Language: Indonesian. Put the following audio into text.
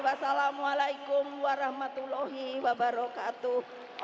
wassalamualaikum warahmatullahi wabarakatuh